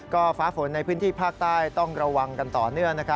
ก็ฟ้าฝนในพื้นที่ภาคใต้ต้องระวังกันต่อเนื่อง